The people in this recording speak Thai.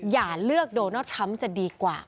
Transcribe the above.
อย่าเลือกโดนัลด์ทรัมป์จะดีกว่า